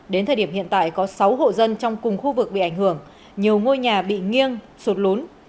đến thời điểm hiện tại có sáu hộ dân trong cùng khu vực bị ảnh hưởng nhiều ngôi nhà bị nghiêng sụt lún